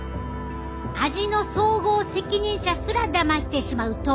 味の総合責任者すらだましてしまうとうがらしのパワー。